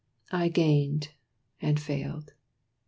I gained, and failed.